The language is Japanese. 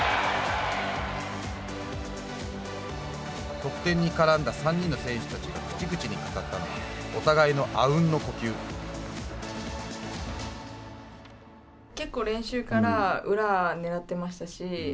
得点に絡んだ３人の選手たちが口々に語ったのは結構練習から裏を狙ってましたし